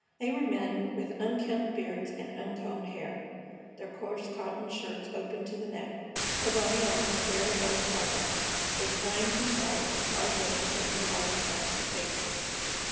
They were men with unkempt beards and uncombed hair, their coarse cotton shirts open at the neck, their brawny arms bare above the elbow, with crimes and sorrows and hard living written large across their faces.